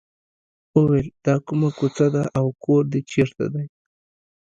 وویل دا کومه کوڅه ده او کور دې چېرته دی.